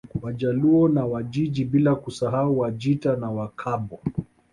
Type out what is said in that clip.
Wajaluo na Wajiji bila kusahau Wajita na Wakabwa